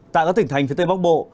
tại các tỉnh thành phía tây bắc bộ